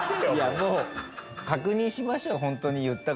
もう確認しましょうホントに言ったか。